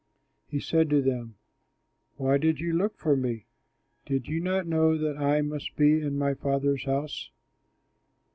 He said to them, "Why did you look for me? Did you not know that I must be in my Father's house?"